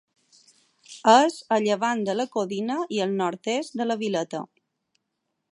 És a llevant de la Codina i al nord-est de la Vileta.